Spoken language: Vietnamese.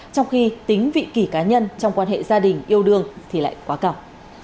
trong khi tính vị kỳ cá nhân trong quan hệ gia đình yêu đương thì lại quá cao